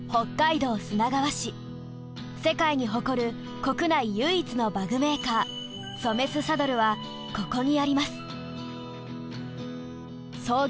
世界に誇る国内唯一の馬具メーカーソメスサドルはここにあります。